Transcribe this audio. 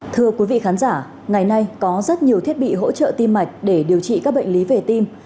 thưa quý vị khán giả ngày nay có rất nhiều thiết bị hỗ trợ tim mạch để điều trị các bệnh lý về tim